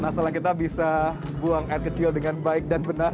masalah kita bisa buang air kecil dengan baik dan benar